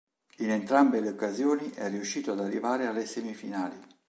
In entrambe le occasioni è riuscito ad arrivare alle semifinali.